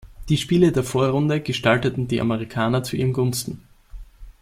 Die Spiele der Vorrunde gestalteten die Amerikaner zu ihren Gunsten.